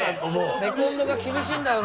セコンドが厳しいんだよな。